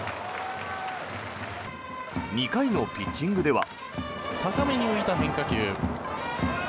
２回のピッチングでは。